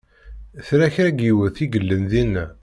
Tella kra n yiwet i yellan dinna?